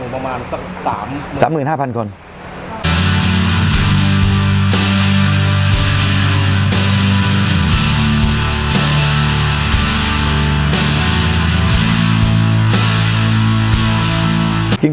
ประมาณสัก๓๕๐๐คน